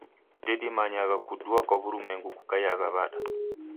Ndedimanyagha kudua kwa w'urumwengu kukaiagha w'ada.